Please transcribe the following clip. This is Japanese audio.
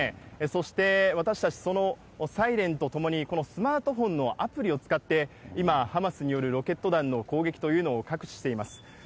そして私たちそのサイレンとともに、このスマートフォンのアプリを使って、今、ハマスによるロケット弾の攻撃というのを感知しています。